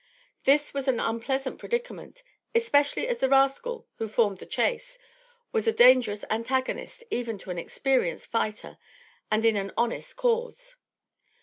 This was an unpleasant predicament, especially as the rascal, who formed the chase, was a dangerous antagonist even to an experienced fighter and in an honest cause.